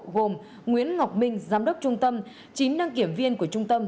gồm nguyễn ngọc minh giám đốc trung tâm chín đăng kiểm viên của trung tâm